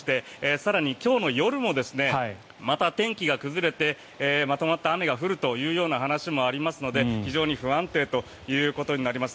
更に今日の夜もまた天気が崩れてまとまった雨が降るというような話もありますので非常に不安定ということになります。